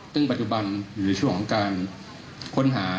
ซึ่งปัจจุบันอยู่ในช่วงของการค้นหา